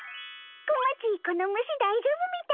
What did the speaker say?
小町この虫だいじょうぶみたい。